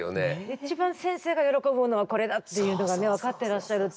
一番先生が喜ぶものはこれだっていうのがね分かってらっしゃるっていう。